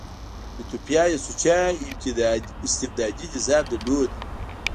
ایتوپیا یو سوچه استبدادي نظام درلود.